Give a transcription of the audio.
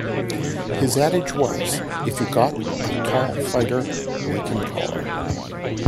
His adage was: If you got a tall fighter, make him taller.